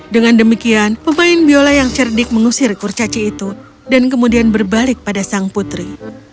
dengan demikian pemain biola yang cerdik mengusir kurcaci itu dan kemudian berbalik pada sang putri